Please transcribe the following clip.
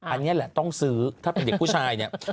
อันนี้แหละต้องซื้อถ้าเป็นเด็กผู้ชายเนี่ย